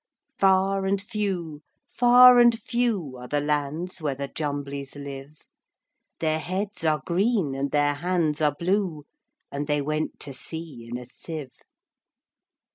Far and few, far and few, Are the lands where the Jumblies live:Their heads are green, and their hands are blue; And they went to sea in a sieve.